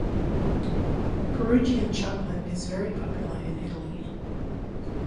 Perugian chocolate is very popular in Italy.